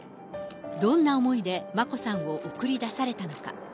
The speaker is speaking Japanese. どんな思いで眞子さんを送り出されたのか。